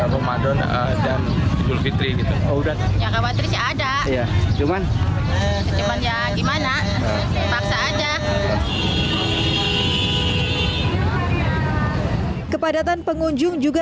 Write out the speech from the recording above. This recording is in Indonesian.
ramadan dan julfitri gitu udah ya kawatir ada cuman gimana paksa aja kepadatan pengunjung juga